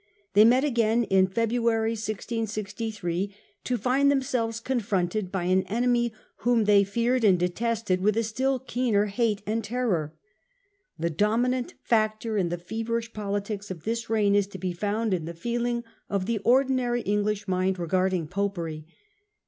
They met again in February 1663, to find themselves confronted by an enemy whom they feared and detested with a still keener English hale and terror. The dominant factor in the feverish politics of this reign is to be found in the feeling of the ordinary English mind regarding Popery.